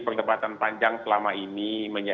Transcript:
pertempatan panjang sejauh ini akan berjaya